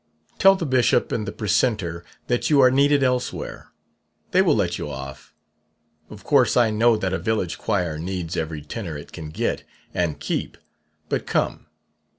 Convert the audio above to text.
Tell the bishop and the precentor that you are needed elsewhere. They will let you off. Of course I know that a village choir needs every tenor it can get and keep; but come.